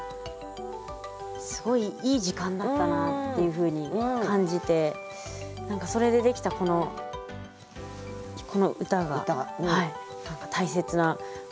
すごいいい時間だったなっていうふうに感じて何かそれでできたこの歌が大切なものになったなと思います。